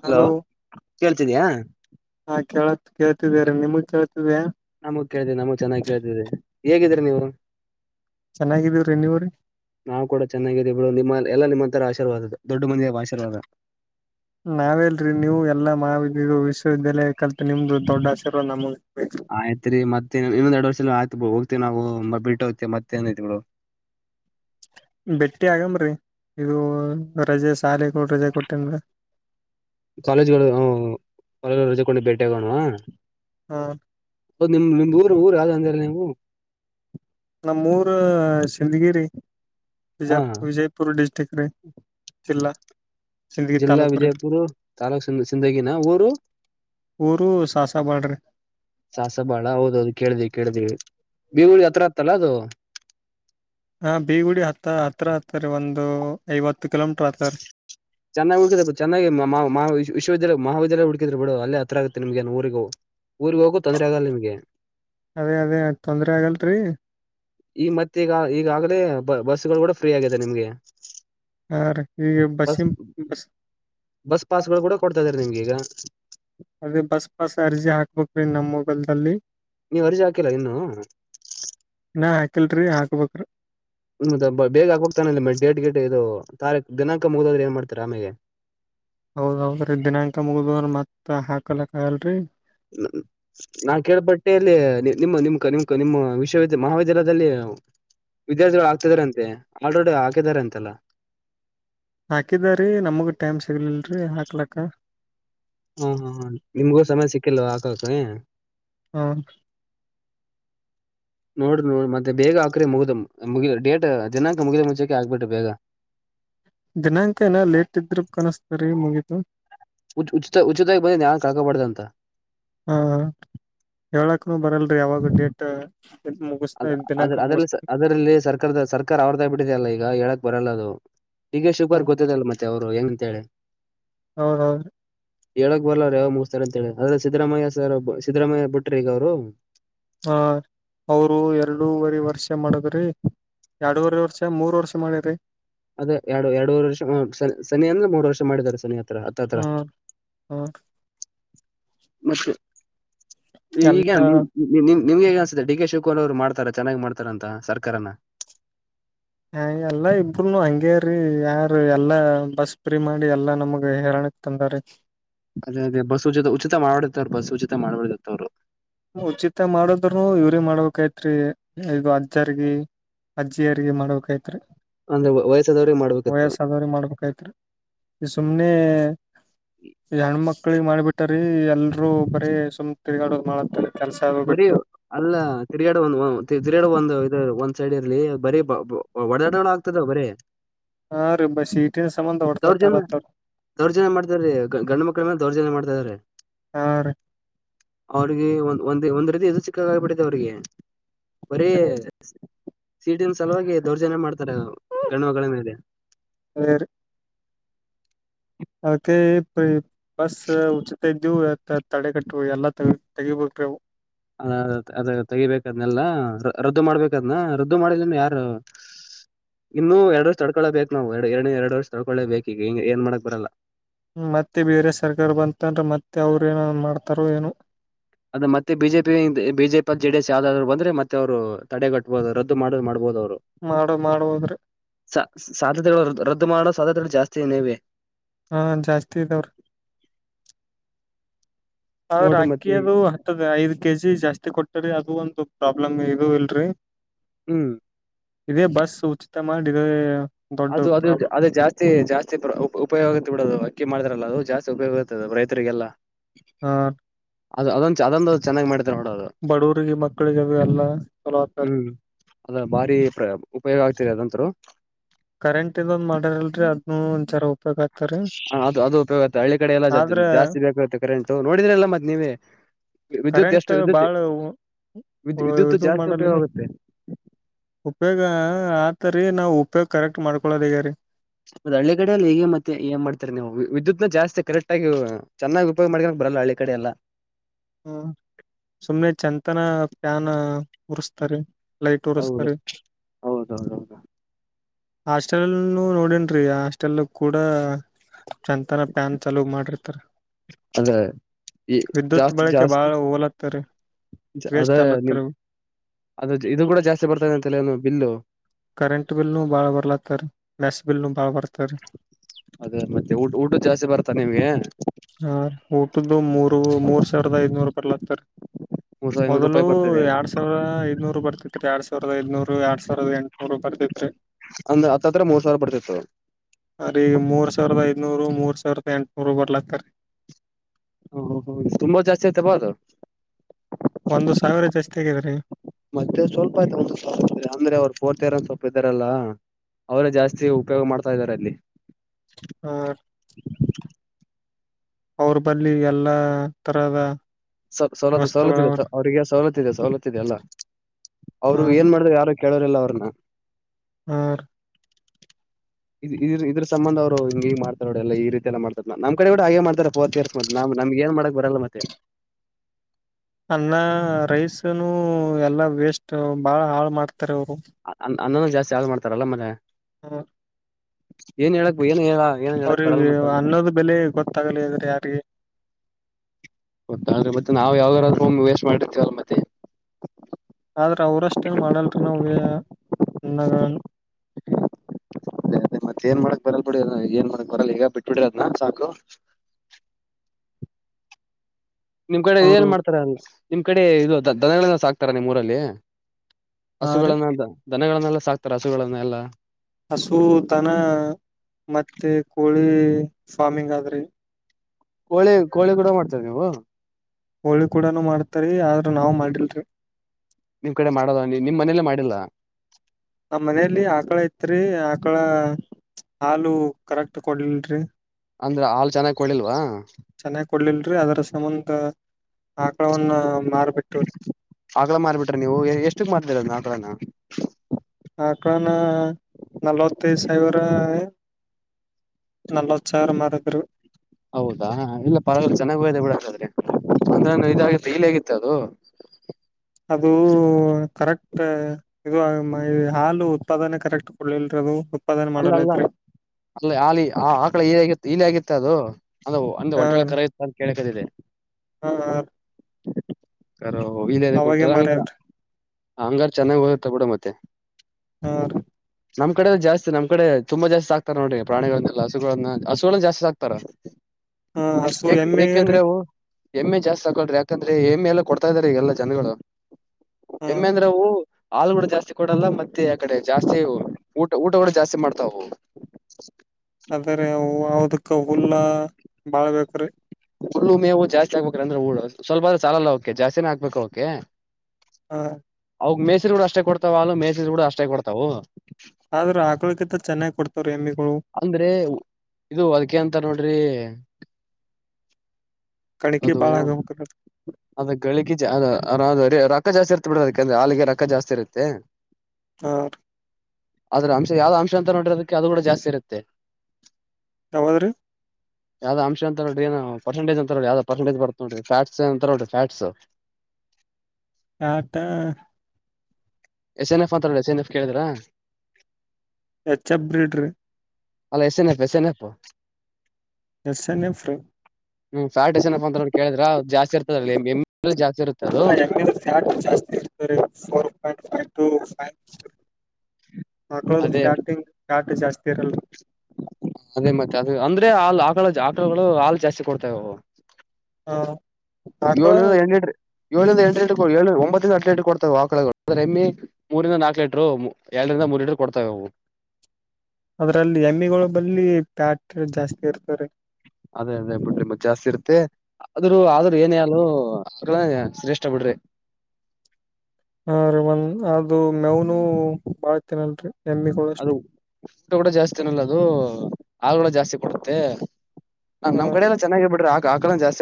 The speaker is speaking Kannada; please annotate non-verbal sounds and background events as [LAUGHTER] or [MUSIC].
ಹಲೋ ಕೇಳ್ತಿದಿಯಾ. ಕೇಳ್ತಿತಿದರೆ ನಿಮಗ್ ಕೇಳ್ತ. ನಮಗ್ ಕೇಳ್ದಿ ನಮಗ್ ಚೆನ್ನಾಗಿ ಕೇಳ್ತಿದೆ ಹೇಗಿದೆ ನೀವು ಚೆನ್ನಾಗಿದೀವ್ರಿ ನೀವ್ರಿ ನಾವು ಕೂಡ ಚೆನ್ನಾಗಿದ್ದೇ ಬಿಡೋ ನಿಮ್ಮ ಎಲ್ಲಾ ನಿಮ್ಮಂತರ ಆಶೀರ್ವಾದ. ಆಶೀರ್ವಾದದ ದೊಡ್ಡ ಮಂದಿ ಆಶೀರ್ವಾದ. ನಾವೇಲ್ರಿ ನೀವು ಎಲ್ಲಾ ಮಹಾವಿದಿ ವಿಶ್ವವಿದ್ಯಾಲಯ ಕಲ್ತ್ ನಿಮ್ದು ದೊಡ್ಡ ಆಶೀರ್ವಾದ ನಮಗ. ಆಯ್ತ್ರಿ ಮತ್ತೆ ಇನ್ನೊಂದ ಎರಡ್ ವರ್ಷ ಆಯತ [UNINTELLIGIBLE] ನಾವು ಬಿಟ್ಟ ಹೋಗ್ತೇ ಮತ್ತೇನ್ ಐತಿ ಗುರು. ಬೆಟ್ಟಿ ಆಗಮ್ರರಿ ಇದು ರಜೆ ಶಾಲೆ ಕೊ ರಜೆ ಕೊಟ್ಟೇಂದ. ಕಾಲೇಜ್ಗಳು ಹೂ ರಜೆಕೊಂಡು ಭೇಟಿ ಆಗೋಣವಾ ಹಾ ನಿಮ್ ನಿಮ್ದ್ ಊರ ಊರ್ ಯಾವ್ದ ಅಂದ್ರಲ್ಲ ನೀವು. ನಮ್ಮೂರ ಶಿಂದಗಿರಿ. ವಿಜ ಹಾ ವಿಜಯಪುರ ಡಿಸ್ವ ತಕ್ರಿ ತಿಲ್ಲ ಜಿಲ್ಲಾ ವಿಜಯಪುರ್ ತಾಲೂಕ್ ಸಿಂದಗಿನ ಊರು ಊರು ಸಾಸಾಬಾಳ್ರಿ ಸಾಸಬಾಳ ಹೌದೌದು ಕೇಳ್ದಿ ಕಡ್ದೀವಿ ಬೇವುಳಿ ಹತ್ರ ತಲದು ಹಾ ಬೀಗುಡಿ ಹತ್ತ ಹತ್ರ ಆತರಿೀ ಒಂದು ಐವತ್ತು ಕಿಲೋಮೀಟ್ರ ಆತರಿೀ ಚನ್ನಾಗಿ ಉುಕಿದಬೇಕ ಚೆನ್ನಾಗಿ ಮಹಾ ವಿ್ವಿದ್ಯಾಲಯ ಮಹಾವಿದ್ಯಾಲಯ ಉುಕಿದ್ಿ ಬಿಡಡು ಅೇ ಹತ್ರ ಆಗುತ್ತೆಮಗೆ ಏ ಊರಿಗೂ ಊರ್ಗ್ ಹೋಗು ತೊಂದ್ರೆ ಆಗಲ್ಲ ನಿಮ್ಗೆ ಅದೇ ಅದೇ ತೊಂದ್ರೆ ಆಗಲ್ರಿ ಈ ಮತ್ತೆ ಈಗ ಈಗಾಗಲೇ ಬಸ್ಗಳು ಕೂಡ ಫ್ರೀ ಆಗಿದೆ ನಿಮ್ಗೆ ಆ ಈಗ ಬಸ್ಸ ಬಸ್ ಬಸ್ ಬಸ್ ಪಾಸ್ಗಳು ಕೂಡ ಕೊಡ್ತಾ ಇದಾರೆ ನಿಮ್ಗೆ ಈಗ ಅದೇ ಬಸ್ ಪಸ್ ಅರ್ಜಿ ಹಾಕ್ಬೇಕು ನಮ್ಮ್ೊೈಲ್ದಲ್ಲಿ ನೀವ್ ಅರ್ಜಿ ಹಾಕಿಲ್ಲ ಇನ್ನು ಹಾಕಿಲ್ರರಿ ಹಾಕ್ಬೇಕ್ರಿ ಹ ಬೇಗ ಆಗ್ಬೋಗಕ್ತಾನ ಡೇಟ್ ಗೇಟ್ ಇದು ತಾರೀಕ್ ದಿನಾಂಕ ಮುಗ್ದಾದ್ರೆ ಏನ್ ಮಾಡ್ತಾರೆ ಆಮೇೆಗೆ ಹೌದೌದ್ರಿ ದಿನಾಂಕ ಮುಗ್ದ್ರ ಮತ್ತತ್ ಹಾಕಲಕ್ಕ ಆಗಲ್ರರಿ ಹ್ಮ ನಾ ಕೇಳ್ಬಟ್ಟೆಲ್ಲಿ ನಿಮ್ಮ ನಿಮ್ ನಿಮ್ ನಿಮ್ಮ ವಿಶ್ವವಿದ ಮಹಾವಿದ್ಯಾಲಯದಲ್ಲಿ ವಿದ್ಯಾರ್ಥಿಗಳು ಆಗ್ತಿದಾರಂತೆ ಆಲ್ರೆಡಿ ಹಾಕಿದ್ದಾರೆ ಅಂತೆಲ್ಲ ಹಾಕಿದಾರೀ ನಮಗ ಟೈಮ್ ಸಿಗ್ಲಲ್ರರಿ ಹಾಕ್ಲಕ್ಕ ಹಾ ಹಾ ನಿಮ್ಗೂ ಸಮಯ ಸಿಕ್ಕಲ್ವಾ ಕತೇ ಹ್ಮ ನೋಡ ನೋಡ ಮತ್ತೆ ಬೇಗ ಹಾಕ್ರೆ ಮುಗ್ದ ಮುಗ ಡೇಟ್ ದಿನಾಂಕ ಮುಗಿದ ಮುಂಚಕ್ಕೆ ಆಕ್ಬಿಟ್ಟು ಬೇಗ ದಿನಾಂಕ ಏನ ಲೇಟ್ ಇದ್ರೂ ಕನಿಸಸ್ತರಿೀ ಮುಗಿತು ಉ ಉಚಿತ ಉಚಿತವಾಗಿ ಬಂದಿ ನಾನನ್ ಕಾಕಬಾರ್ದಂತ ಹ ಡೆೇಟ್ ಅದ ಅದ್ರ ಅದರಲ್ಲಿ ಅದರಲ್ಲಿ ಸರ್ಕಾರದ ಸರ್ಕಾರ ಅವ್ರದ ಬಿಟ್ಟಿದೆ ಅಲ್ಲ ಈಗ ಹೇಳಕ್ ಬರಲ್ಲದು ಹೀಗೆ ಹ ಶುಪಾರ್ ಗೊತ್ತದಲ್ಲ ಮತ್ತೆ ಅವರು ಹೆಂಗಂತೇಳಿ ಹೌದೌದ್ರಿ ಹೇಳಕ್ ಬರ್ಲ ಯಾವಾಗ ಮುಗಿಸ್ತಾರೆ ಅಂತ ಹೇಳಿ ಅದ್ರೆ ಸಿದ್ದರಾಮಯ್ಯ ಸರ್ ಸಿದ್ದರಾಮಯ್ಯ ಬಿಟ್ರಿ ಈಗ ಅವ್ರು ಹಾ ಅವರು ಎರಡೂವರೆ ವರ್ಷ ಮಾಡದ್ರಿ ಎರಡೂವರೆ ವರ್ಷ ಮೂರ್ ವರ್ಷ ಮಾಡಿ್ರಿ ಅದೇ ಎರಡು ಎರಡುೂರು ವರ್ಷ ಸನಿ ಅಂದ್ರೆ ಮೂರು ವರ್ಷ ಮಾಡಿದ್ದಾರೆ ಸನಿ ತತ್ರ ಹ್ಮ್ ಹ್ಮ್ ಮತ್ತೆ ಎಲ್ಲ ಈಗ ನಿ ನಿನ್ ನಿಮ್ಗೆ ಹೇಗೆ ಅನ್ಸೆ ಡಿ ಕೆ ಶಿವಕುಮಾರ್ ಅವರು ಮಾಡ್ತಾರ ಚೆನ್ನಾಗಿ್ ಮಾಡ್ತಾರ ಅಂತ ಸರ್ಕಾರನ ಹಾ ಎಲ್ಲಾ ಇಬರುನು ಹಂಗೇಯಿರಿ ಯಾರ ಎಲ್ಲಾ ಬಸ್ ಫ್ರೀ ಮಾಡಿ ಎಲ್ಲಾ ನಮಗ ಹೇರಾಣಕ್ ತಂದರೀ ಅದೇ ಅದೇ ಬಸ್ ಉಚಿತ ಉಚಿತ ಮಾಡ್ಬಡ ಬಸ್ ಉಚಿತ ಮಾಡಬರ್ದಿತು ಅವ್ರು ಉಚಿತ ಮಾಡದ್ನು ಇವ್ರಿ ಮಾಡ್ಬೇಕೈತ್ರಿ ಇದು ಅಜ್ಜರ್ಗ ಅಜ್ಜಿಯರ್ಗ ಮಾಡ್ಬೇಕೈತ್ರಿ ಅಂದ್ರೆ ವಯಸ್ಸಾದವ್ರಿಗೆ ಮಾಡ್ಬೇಕಿತ್ತು ವಯಸ್ಸಾದವ್ರಿಗೆ ಮಾಡ್ಬೇಕೈತ್ರಿ ಈ ಸುಮ್ನೆ ಹೆಣ್ಮಕ್ ಮಕ್ಕಳಿಗೆ ಮಾಡಿಬಿಟ್ಟ ರೀ ಎಲ್ರರು ಬರೀ ಸುಮ್ ತಿರ್ಗಾಡ ಮಾಡ ಬರಿ ಅಲ್ಲ ತಿರ್ಗಾಡು ತಿರ್ಗಾಡು ಒಂದು ಇದು [UNINTELLIGIBLE] ಬರೀ ಹೊಡೆದಾಟಗಳು ಆಗ್ತದೆ ಬರೀ ಹಾ ರೀ ಬ ಸೀಟಿನ ಸಂಬಂಧ ದೌರ್ಜನ್ಯ ಹೊಡ್ತಾಟಾರತ್ತಾರ ದೌರ್ಜನ್ಯ ಮಾಡ್ತ ರೀ ಗಂಡು ಮಕ್ಕಳ ಮೇಲೆ ದೌರ್ಜನ್ಯ ಮಾಡ್ತ ಸರಿ ಹಾ ರೀ ಅವ್ರಿಗೆ ಒಂದು ಒಂದ ರೀತಿ ಇದು ಚಿಕ್ಕಾದಾಗಿಬಿಡುತ್ತೆ ಅವ್ರರಿಗೆ ಬರಿ ಸೀಟನ್ ಸಲುವಾಗಿ ದೌರ್ಜನ್ಯ ಮಾಡ ತಾರೇ ಗಂಡುಮಕ್ಕಳ ಮೇಲೆ ಓಕೆ ಬಸ್ ಉಚಿತದ್ದು ತಡೆಗಟ್ಟ ಎಲ್ಲ ತೇಗಿ ತೆಗಿಬೇಕ್ರೆವು ಅದ ಅದ ತೆಗಿಬೇಕಾದ್ನೆಲ್ಲ ರದ್ದು ಮಾಡ್ಬೇಕದ್ನ ರದ್ದು ಮಾಡ ಯಾರು ಇನ್ನು ಎರಡು ವರ್ಷ ತಡ್ಕೊಳೋಕ್ಕೆಬೇಕು ನಾವು ಎರಡು ಎರಡು ವರ್ಷ ತೊಕೊಳ್ಳೇಬೇಕು ಈಗ ಏನ್ ಮಾಡಕ್ ಬಲ್ಲ ಮತ್ತೆ ಬೇರೆ ಸರ್ಕಾರ ಬಂತಂತಂದ್ರೆ ಮತ್ತೆ ಅವ್ರೇನ ಮಾಡ್ತಾರೋ ಏನು ಅದ್ರ ಮತ್ತೆ ಬಿಜೆಪಿ ಬಿಜೆಪಿ ಜೆಡಿಎಸ್ ಯಾವ್ದಾದ್ರು ಬಂದ್ರೆ ಮತ್ತೆ ಅವರು ತಡೆಗಟ್ಟಬಹುದು ರದ್ದು ಮಾಡ್ ಮಾಡ್ಬಹುದು ಅವ್ರು ಮಾಡ ಮಾಡೋದ್ರಿ ಸಾಧ್ಯತೆಗಳು ರದ್ದು ಮಾಡ ಸಾಧ್ಯತೆ ಜಾಸ್ತಿ ಅವೇ ಹ ಜಾಸ್ತಿ ಇದಾವ್ರಿ ಅದ್ರ ನೋಡಿ ಅಕ್ಕಿ ಮತ್ತೆ ಅದು ಹತ್ತದ ಐದ್ ಕೆಜಿ ಜಾಸ್ತಿ ಕೊಟ್ಟರಿ ಅದು ಒಂದು ಪ್ರಾಬ್ಲಮ್ ಇದು ಇಲ್ರಿ ಹ್ಮ್ ಇದೇ ಬಸ್ ಉಚಿತ ಮಾಡಿ ದೊಡ್ಡ ಅದು ಅದು ಪ್ರಾಬ್ಲಮ್ ಅದು ಜಾಸ್ತಿ ಜಾಸ್ತಿ ಉಪಯೋಗ ಆಯ್ತು ಬಿಡು ಅದು ಅಕ್ಕಿ ಮಾಡಿದಾರಲ್ಲ ಅದು ಜಾಸ್ತಿ ಉಪಯೋಗ ಇರುತದೆ ರೈತರಿಗೆಲ್ಲ ಹ ಅದು ಅದೊಂದು ಚೆನ್ನಾಗಿ ಮಾಡೆ ಬಡವರಿಗೆ ಮಕ್ಕಳಿಗೆದು ಅಲ್ಲ ಹ್ಮ್ ಅದ ಭಾರಿ ಪ್ರ ಉಪ ಯೋಗ ಆಗ್ತೀರಿ ಅದಂತರು ಕರೆಂಟ್ ಇದೊಂದು ಮಾಡ್ಯಾರ್ ಅಲ್ಲರೀ ಅದನ್ನು ವಿಚಾರ ಹ ಅದು ಅದು ಉಪಯೋಗ ಆಗುತ್ತಾ ಹಳ್ಳಿ ಕಡೆ ಎಲ್ಲ ಆದ್ರ ಜಾಸ್ತಿ ಬೇಕಾಗುತ್ತೆ ಕರೆಂಟ್ ನೋಡಿದ್ರೆ ಎಲ್ಲ ಮತ್ತ್ ನೀವೇ ವಿದ್ಯುತ್ ಕರೆಂಟ್ ಎಷ್ಟು ವಿದ್ಯುತ್ ಬಾಳ ಉ ಉಳು ವಿದ್ಯುತ್ ಇದು ಜಾಸ್ತಿ ಉಪಯೋಗ ಮಾಡಲ್ಲ ಆಗುತ್ತೆ ಉಪಯೋಗ ಆಗತರಿ ನಾವು [UNINTELLIGIBLE] ಕರೆಕ್ಟ್ ಮಾಡ್ಕೊಳ್ಳೋದು ಆಗೆದರಿ ಮತ್ತೇ ಹಳ್ಳಿ ಕಡೆ ಎಲ್ಲ ಹೀಗೆ ಮತ್ತೆ ಏನ್ ಮಾಡ್ತೀರಿ ನೀವು ವಿ ವಿದ್ಯುತ್ ನಾ ಜಾಸ್ತಿ ಕರೆಕ್ಟ್ ಆಗಿ ಚೆನ್ನಾಗಿ ಉಪಯೋಗ ಮಾಡ್ಕೋಣಕೆ ಬರಲ್ಲ ಹಳ್ಳಿ ಕಡೆ ಎಲ್ಲ ಹ್ಮ್ ಸುಮ್ಮ್ನೆ ಚೆಂತನ ಫ್ಯಾನ ಉರಿಸ್ತರ್ರಿ ಲೈಟು ಹೌದು ಉರುಸ್ತಾರಿ ಹೌದೌದೌದು ಹಾಸ್ಟೆಲಲ್ಲೂನು ನೋಡಿನ್ರಿ ಹಾಷ್ಟೆಲ್ಲಲ್ಲೂ ಕೂಡ ಚಂತನ ಫ್ಯಾನ್ ಚಾಲೂ ಮಾಡಿರ್ತಾರಿ ಅದೇ ಈ ವಿದ್ಯುತ್ ಜಾಸ್ತಿ ಬಳಕೆ ಜಾಸ್ತಿ ಬಾಳ ಹೋಲ ತ್ತರಿ ಅದ ನಿಮ್ ಅದ ಇದು ಕೂಡ ಜಾಸ್ತಿ ಬರ್ತದ ಅಂತಲ್ಲ ಏನು ಬಿಲ್ಲು ಕರೆಂಟ್ ಬಲ್ನು ಬಾಳ ಬರ್ಲಾತ್ತದ ರಿ ಮೆಸ್ ಬಲ್ನು ಬಾಳ ಬರ್ತದರಿ ಅದೇ ಮತ್ತೆ ಊಟ ಊಟ ಜಾಸ್ತಿ ಬರ್ತಾ ನಿಮ್ಗೆ ಹಾ ರೀ ಊಟದ್ದು ಮೂರು ಮೂರ್ ಸಾವಿರದ ಐದನೂರು ಬರ್ಲತಾದರಿ ಮೂರ್ ಸಾವಿರ ಐನೂರು ಮೊದಲು ರೂಪಾಯಿ ಬರ್ತದೆ ಎರಡ್ ಸಾವಿರ ಐದನೂರು ಬರ್ತ ಎರಡ್ ಸಾವರದ ಐದನೂರು ಎರಡ್ ಸಾವಿರದ ಎಂಟ ಅಂದ್ರ ಹತ್ತತ್ರ ಮೂರು ಸಾವಿರ ಬರ್ತಿತ್ತು ಹಾ ರೀ ಈಗ ಮೂರ್ ಸಾವಿರದ ಐದನೂರು ಮೂರ್ ಸಾವಿರದ ಎಂಟನೂರು ಬರ್ಲಾತಾರೀ ಹ್ಮ್ ಹ್ಮ್ಮ್ ಹೂ ತುಂಬಾ ಜಾಸ್ತಿ ಆಯ್ತಪ ಅದು ಒಂದು ಸಾವಿರ ಜಾಸ್ತಿ [UNINTELLIGIBLE] ಆಗ್ಯದ್ರಿ ಮತ್ತೆ ಸ್ವಲ್ಪ ಆಯ್ತ ಏನ್ ಒಂದು ಸಾವಿರ ಅಂದ್ರೆ ಅವ್ರು ಫೋರ್ಥ್ ಒಂದು ಸ್ವಲ್ಪ ಇದ್ದಾರಲ್ಲ ಅವರೇ ಜಾಸ್ತಿ ಉಪಯೋಗ ಮಾಡ್ತಾ ಇದ್ದಾರೆ ಅಲ್ಲಿ ಆ ಅವ್ರ ಬಲ್ಲಿ ಎಲ್ಲಾ ತರಹದ ಸ ಸವಲತ್ತು ಸವಲತ್ ಇದೆ ಅವ್ರರಿಗೆ ಸವಲತ್ ಇದೆ ಸವಲತ್ ಇದೆ ಎಲ್ಲಾ ಹ ಅವ್ರು ಏನ್ ಮಾಡಿದರು ಯಾರು ಕೇಳೋರಿಲ್ಲ ಅವ್ರನ್ನ ಹಾ ರೀ ಇದು ಇದು ಇದರ ಸಂಬಂಧ ಅವ್ರು ಹಿಂಗ್ ಹಿಂಗ ಮಾಡ್ತಾರೆ ನೋಡು ಎಲ್ಲ ಈ ರೀತಿ ಎಲ್ಲ ಮಾಡತಾರ ನಮ್ಮ್ ಕಡೆ ಕೂಡ ಹಾಗೆ ಮಾಡ್ತಾರೆ ಫೋರ್ಥ್ ಇಯರ್ ಮಾಡ್ತೀವಿ ನಾವು ನಮಗೆ ಏನ್ ಮಾಡ ಬರಲ್ಲ ಮತ್ತೆ ಅನ್ನ ರೈಸನು ಎಲ್ಲಾ ವೇಸ್ಟ್ ಬಾಳ ಹಾಳ ಮಾಡ್ತ ಮಾಡ್ತಾರಾ ಅವರು ಅನ್ನ ನು ಜಾಸ್ತಿ ಹಾಳ್ ಮಾಡ್ತಾರಲ್ಲ ಆಮೇಲೆ ಹಾ ಏನ್ ಹೇಳಕ್ ಏನ್ ಹೇಳಾ ಅವ್ರಿಗೆ ಅನ್ನದ ಬೆಲೆ ಗೊತ್ತಾಗಲ ಇದ್ರ ಯಾರಿಗೆ ಗೊತ್ತಾದ್ರೆ ಮತ್ತೆ ನಾವ್ ಯಾವ್ಯಾರೂಮ್ ವೇಸ್ಟ್ ಮಾಡಿರ್ತೀವಲ್ ಮತ್ತೆ ಆದ್ರ ಅವ್ರಷ್ಟೇನ್ ಮಾಡಲ್ರಿ ನಾವ ನನ್ನ ಅದೇ ಅದೇ ಮತ್ತ ಏನ್ ಮಾಡಕ್ ಬರಲ್ ಬಿಡಿ ಏನ್ ಮಾಡಾಕ್ ಬರಲ್ಲ ಈಗ ಬಿಟ್ಬಿಡಿರದ್ನ ಸಾಕು ನಿಮ್ ಕಡೆ ಏನ್ ಅವರು ಮಾಡ್ತಾರ ಅಲ್ಲಿ ನಿಮ್ ಕಡೆ ಇದು ದ ದನಗಳೆಲ್ಲ ಸಾಕ್ತಾರ ನಿಮ್ಮ ಊರಲ್ಲಿ ಆ ರೀ ಹಸುಗಳನ್ನಂತ ದನಗಳನ್ನೆಲ್ಲ ಸಾಕ್ತಾರೆ ಹಸುಗಳನ್ನೆಲ್ಲಾ ಹಸುತನ ಮತ್ತೆ ಕೋಳಿ ಫಾರ್ಮಿಂಗ್ ಆದ್ರೆ ಕೋಳಿ ಕೋಳಿ ಕೂಡ ಮಾಡ್ತವೆ ನೀವು ಹೋಳಿ ಕೂಡನು ಮಾಡ್ತರಿ ಆದ್ರ ನಾವವು ಮಾಡಿಲ್ರಿ ನಿಮ್ ಕಡೆ ಮಾಡದ ನಿಮ್ ಮನೇಲ್ಲೇ ಮಾಡಿಲ್ಲ ನಮ್ ಮನೇಲಿ ಆಕಳ ಇತ್ರಿ ಆಕಳ ಹಾಲು ಕರೆಕ್ಟ್ ಕೊಡ್ಲ್ರರಿ ಅಂದ್ರ ಹಾಲ್ ಚೆನ್ನಾಗಿ ಕೊಡಿಲ್ವಾ ಚೆನ್ನಾಗ್ ಕೊಡ್ಲಿಲ್ರಿ ಅದ್ರ ಸಂಬಂಧ ಆಕಳವನ್ನ ಮಾರ್ಬಿಟ್ಟವ್ರಿ ಆಕಲ ಮಾರ್ಬಿಟ್ರ ನೀವು ಎಷ್ಟಕ್ ಮಾರ್ತೀರದ ಆಕಲನ ನಕನ ನಲವಟೈದ್ ಐವರ ನಲ್ಲೋಸಾರ ಮಾಡಿದ್ರು ಹೌದಾ ಇಲ್ಲ ಪರಲ್ಲ ಚೆನ್ನಾಗ ಹಯದೆ ಬಿಡಾದ್ರೆ ಅಂದ್ರಾನ ಇದಾಗತ್ತೆ ಈಲಿ ಆಗಿತ್ತ ಅದು ಅದು ಕರೆಕ್ಟ್ ಇದು ಹಾಲು ಉತ್ಪಾದನೆ ಕರೆಕ್ಟ್ ಕೊಡ್ಲಲ್ರ ಅದು ಉತ್ಪಾದನೆ ಅಲ್ಲ ಅಲ್ಲ ಮಾಡಲೈತ್ರಿ ಅಲ್ಲ ಆ ಆ ಆಕಳ ಆಗ ಇಲಿ ಆಗಿತ್ತೆ ಅದು ಹೊಟ್ಟೆ ಒಳಗಡೆ ಕರ ಇತ್ತ ಲಿದೆ ಹ್ಮ ಹಾ ಯಾರೋ ವಿಲೇದಿ ಅವಾಗೆ ಕೊಟ್ಟದ ಹಂಗಾರ ಮಾರೇವ್ರಿ ಹಂಗಾರ ಚೆನ್ನಾಗ್ ಹೋದತ್ತ ಕೂಡ ಮತ್ತೆ ಹ ನಮ್ಮ್ಡೆ ಜಾಸ್ತಿ ನಮ್ ಕಡೆ ತುಂಬಾ ಜಾಸ್ತಿ ಆಕ್ತ ನೋಡ್ರಿ ಪ್ರಾಣಗಳನ್ನೆಲ್ಲ ಹಸುಗಳನ್ನ ಹಸುಗಳಲ್ಲ ಜಾಸ್ತಿ ಸಾಕ್ತಾರ ಹ್ಮ ಹಸು ಏಕೆ ಎಮ್ಮೆ ಏಕೆಂದ್ರೆ ರಿ ಅವು ಎಮ್ಮೆ ಜಾಸ್ತಿ ಹಾಕಳ್ರಿ ಯಾಕಂದ್ರೆ ಎಮ್ಮ ಎಲ್ಲ ಕೊಡ್ತಾ ಇದಾರೆ ಈ ಎಲ್ಲ ಜನಗಳು ಹಾ ಹೆಮ್ಮೆಂದ್ರವು ಹಾಲು ಕೂಡ ಜಾಸ್ತಿ ಕೊಡಲ್ಲ ಮೆ ಮತ್ತೆ ಆ ಕಡೆ ಜಾಸ್ತಿ ಊಟ ಊಟ ಮಾಡತ ಹ ಯದಕ್ಕವುುಲ್ಲಾ ಬಾಳ್ಬೇಕ್ರಿ ಹುಲ್ಲು ಮೇವು ಜಾಸ್ತಿ ಆಗ್ಬೇಕ್ರ ಅಂದ್ರೆ ಹೂಳ ಸ್ವಲ್ಪ ಆದ ಸಾಲಲ್ಲ ಅವಕೆ ಜಾಸ್ತಿನೇ ಆಗ್ಬೇಕು ಅವಕೆ ಹ್ಮ ಅವ್ ಮೇಸ್ತ್ರಿ ಕೂಡ ಅಷ್ಟೇ ಕೊಡ್ತಾವ ಅ ಮೇಸ್ತ್ರಿಗೂಡ ಅಷ್ಟೇ ಕೊಡ್ತಾವು ಆದ್ರ ಆಕಳಕಿಂತ ಚೆನ್ನಾಗ್ ಕೊಡ್ತಾರೆ ಎಮ್ಮಿದು ಅಂದ್ರೆ ಇದು ಅದಕೆ ಅಂತ ನೋಡ್ರಿ ಕಣಕಿ ಅದು ಬಾಳ ಆಗ್ಬೇಕ್ರಿ ಅದಗಳಿಕೆ ಜ ಅದ ಆರಾಮ ರೀ ರೊಕ್ಕ ಜಾಸ್ತಿ ಇರ್ತ ಬಿಡ್ರಿ ಅದಕ್ಕೆ ಹಾಲಿಗೆ ರೊಕ್ಕಾ ಜಾಸ್ತಿ ಇರುತ್ತೆ ಹಾ ಆದ್ರೆ ಅಂಶ ಯಾವ ಅಂಶ ಅಂತ ನೋಡಿರೋಕ್ಕೆ ಅದು ಕೂಡ ಜಾಸ್ತಿ ಇರುತ್ತೆ ತ್ತೆ ಯಾವುದ್ರೀ ಯಾವ್ದ್ ಅಂಶ ಅಂತ ನೋಡ್ರಿ ಏನೋ ಪರ್ಸಂಟೇಜ್ ಅಂತಾರ್ ನೋಡು ಯಾವ್ದ್ ಪರ್ಸಂಟೇಜ್ ಬರ್ತ ನೋಡ ಫ್ಯಾಟ್ಸ್ ಅಂತ ನೋಡಿ fats fact S N F ಅಂತಾರಲ್ಲ ಎಸ್ ಎನ್ ಎಫ್ ಕೇಳಿದಿರಾ ಎಚ್ ಎಂ ಪಿಲಿಟರಿ ಅಲ್ಲ S N F S N F S N F ರಿ ಹ್ಮ್ ಫ್ಯಾಟ್ ಎಸ್ ಎನ್ ಎಫ್ ಅಂತ ನೋಡಿ ಕೇಳಿದ್ರ ಜಾಸ್ತಿ ಇರ್ತದ ಜಾಸ್ತಿ ಇರುತ್ತೆ ಅದು ಸ್ಯಾಲರಿ ಜಾಸ್ತಿ ಇರುತ್ತೆ ರಿ four point five to five ಸಿ ಮಕ್ಕಳದು ಅದೇ ಸ್ಯಾಟಿಂಗ್ ಫ್ಯಾಟ್ ಜಾಸ್ತಿ ಇರಲ್ರಿ ಅದೇ ಮತ್ತೆ ಅದು ಅಂದ್ರೆ ಹಾಲು ಆಕಳ ಆಕಳಗಳು ಹಾಲು ಜಾಸ್ತಿ ಕೊಡ್ತಾವವು ಹಾ ಏಳರಿಂದ ಎಂಟು ಲೀಟರ್ ಏಳರಿಂದ ಎಂಟು ಲೀಟರ್ ಏಳ ಒಂಬತ್ತು ರಿಂದ ಹತ್ತು ಲೀಟರ್ ಕೊಡ್ತವ ಆಕಳಗಳು ಅಂದ್ರ ಎಮ್ಮಿ ಮೂರರಿಂದ ನಾಕ್ ಲೀಟರ್ ಎರಡರಿಂದ ಮೂರ್ ಲೀಟರ್ ಕೊಡ್ತವೆ ಅವು ಅದ್ರಲ್ಲಿ ಎಮ್ಮಿಗಳ ಬಲ್ಲಿ ಪ್ಯಾಟ್ ಜಾಸ್ತಿ ಇರ್ತಾದ್ರಿ ಅದೇ ಅದೇ ಬಿಡ್ರಿ ಮತ್ ಜಾಸ್ತಿ ಇರುತ್ತೆ ಆದ್ರು ಆದ್ರು ಏನೆ ಹೇಳು ಮಕ್ಕಳೇ ಶ್ರೇಷ್ಠ ಬಿಡ್ರಿ ಹಾ ರೀ ಒಂದ್ ಅದು ಮೇವುನೂ ಬಾಳ ತಿನಲ್ರಿ ಅದು ಊಟ ಕೂಡ ಜಾಸ್ತಿ ತಿನ್ನಲ್ಲ ಅದು ಹಾಲುಗಳ ಜಾಸ್ತಿ ಕೊಡುತ್ತೆ ನಮ್ ಹಾ ಕಡೆಯಲ್ಲ ಚನ್ನಾಗಿ ಬಿಡ್ರಿ ಆಕ್ ಆಕಳನ್ನು ಜಾಸ್ತಿ